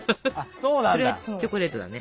それはチョコレートだね。